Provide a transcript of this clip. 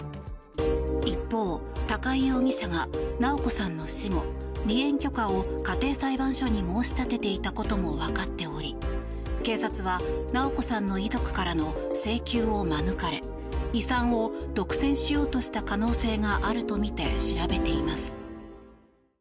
一方、高井容疑者が直子さんの死後離縁許可を家庭裁判所に申し立てていたこともわかっており警察は直子さんの遺族からの請求を免れ遺産を独占しようとした可能性があるとみて調べています。